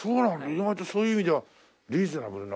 意外とそういう意味じゃリーズナブルな感じで。